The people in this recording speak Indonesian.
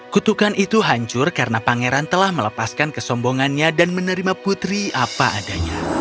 kutukan itu hancur karena pangeran telah melepaskan kesombongannya dan menerima putri apa adanya